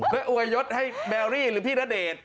แล้วอวยยดให้แบร์รี่หรือพี่ณเดชน์